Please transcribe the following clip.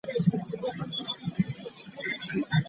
Motoka twagirinnyira wa Ssekiriba, nga ne nannyini muluka mwali.